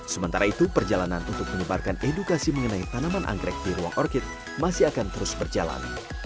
sementara itu perjalanan untuk menyebarkan edukasi mengenai tanaman anggrek di ruang orkit masih akan terus berjalan